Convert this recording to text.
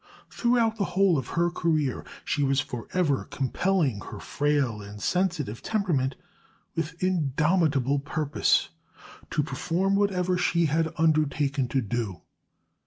Throughout the whole of her career, she was for ever compelling her frail and sensitive temperament, with indomitable purpose, to perform whatever she had undertaken to do.